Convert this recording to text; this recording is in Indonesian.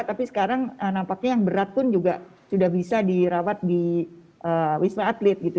tapi sekarang nampaknya yang berat pun juga sudah bisa dirawat di wisma atlet gitu